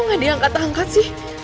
kok gak diangkat angkat sih